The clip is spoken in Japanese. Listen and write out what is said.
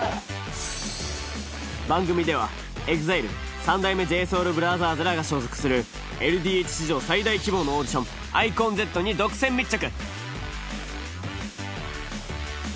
番組ではＥＸＩＬＥ三代目ＪＳＯＵＬＢＲＯＴＨＥＲＳらが所属するＬＤＨ史上最大規模のオーディションｉＣＯＮＺに独占密着。